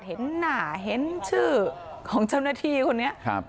เห็นหนาเจ้าหน้าเด็กชื่อของจับพนัที้เจ้าหน้าเด็ก